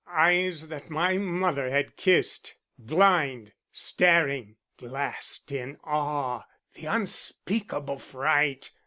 Eyes that my mother had kissed, blind staring glassed in awe and unspeakable fright.